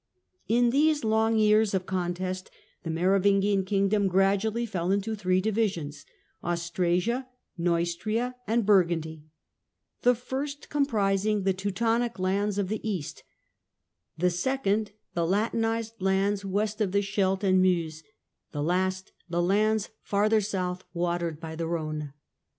In these long years of contest the Merovingian king dom gradually fell into three divisions, Austrasia, Neustria and Burgundy, the first comprising the Teu tonic lands of the east, the second the Latinised lands west of the Scheldt and Meuse, the last the lands farther south, watered by the Rhone.